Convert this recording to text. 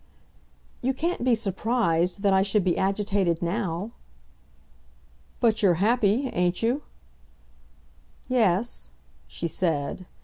"You can't be surprised that I should be agitated now." "But you're happy; ain't you?" "Yes," she said.